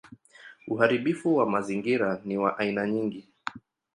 Uharibifu wa mazingira ni wa aina nyingi.